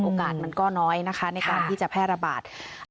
มันก็น้อยนะคะในการที่จะแพร่ระบาด